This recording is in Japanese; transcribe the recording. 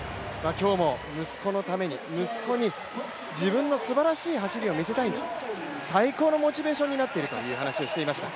今日も息子のために息子に自分のすばらしい走りを見せたい、最高のモチベーションになっているという話をしていました。